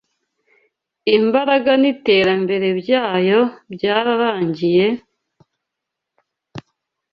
Imbaraga n’iterambere byayo byararangiye,